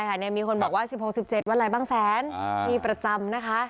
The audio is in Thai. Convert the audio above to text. ใช่ค่ะมีคนบอกว่า๑๖๑๗วันรายบ้างแสนที่ประจำนะคะ